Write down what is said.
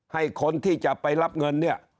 ให้คนที่จะไปรับเงินเนี่ย